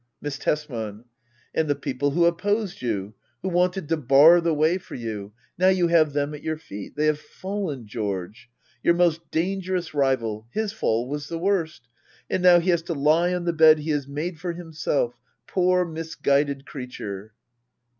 Miss Tesman. And the people who opposed you — who wanted to bar the way for you — now you have them at your feet. They have fallen, George ! Your most dangerous rival — his fall was the worst. — And now he has to lie on the bed he has made for himself — poor misguided creature.